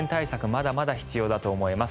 まだまだ必要だと思います。